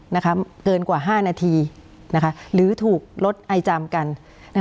เกินกว่า๕นาทีนะคะหรือถูกลดไอจำกัน